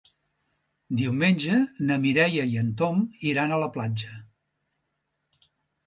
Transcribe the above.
Diumenge na Mireia i en Tom iran a la platja.